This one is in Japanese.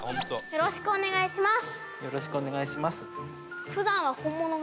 よろしくお願いします。